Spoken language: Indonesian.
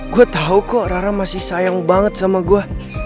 gue tahu kok rara masih sayang banget sama gue